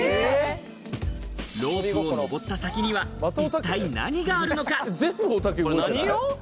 ロープを登った先には一体何があるのか？